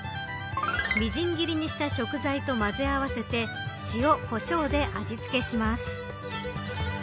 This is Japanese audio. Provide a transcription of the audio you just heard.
みじん切りにした食材とまぜ合わせて塩、コショウで味付けします。